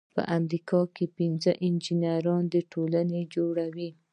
په امریکا کې پنځه د انجینری ټولنې جوړې شوې.